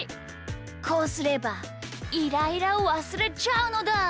こうすればイライラをわすれちゃうのだ！